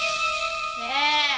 ねえ。